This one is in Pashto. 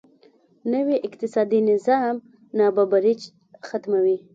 نوی اقتصادي نظام نابرابري ختموي.